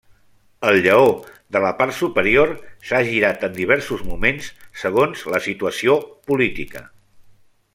El lleó de la part superior s'ha girat en diversos moments segons la situació política.